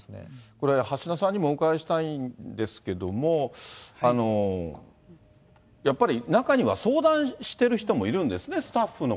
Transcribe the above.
これ、橋田さんにもお伺いしたいんですけれども、やっぱり、中には相談してる人もいるんですね。